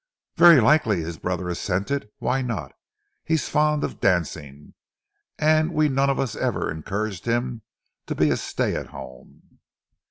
"Very likely," his brother assented. "Why not? He's fond of dancing, and we none of us ever encouraged him to be a stay at home."